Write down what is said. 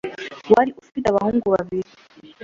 wari ufite abahungu babiri.